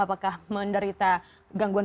apakah menderita gangguan